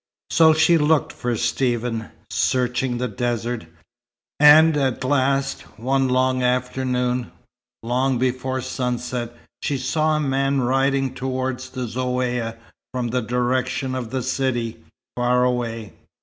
So she looked for Stephen, searching the desert; and at last, one afternoon long before sunset, she saw a man riding toward the Zaouïa from the direction of the city, far away.